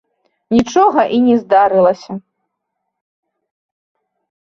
Нічога і не здарылася.